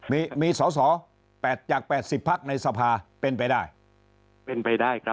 มีมีสอสอ๘จาก๘๐พักในสภาเป็นไปได้เป็นไปได้ครับ